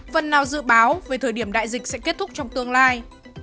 phần nào dự báo về thời điểm đại dịch sẽ kết thúc trong tương lai